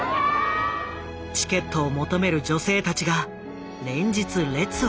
チケットを求める女性たちが連日列を成した。